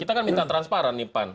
kita kan minta transparan nih pan